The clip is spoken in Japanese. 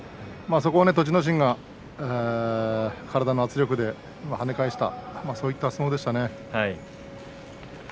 そこを栃ノ心が体の圧力ではね返した、そういった相撲でしたね。